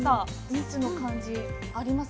蜜の感じありますね。